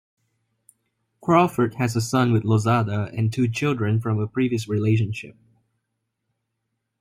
Crawford has a son with Lozada and two children from a previous relationship.